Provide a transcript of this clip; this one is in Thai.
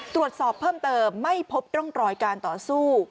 ตรวจสอบเพิ่มเติมไม่พบร่องรอยการต่อสู้